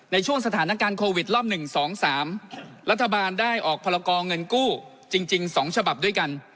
ในช่วงสถานการณ์โควิดรอบ๑๒๓รัฐบาลได้ออกพรกรเงินกู้จริง๒ฉบับด้วยกัน